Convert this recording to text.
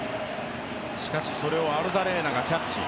しかしそれをアロザレーナがキャッチ。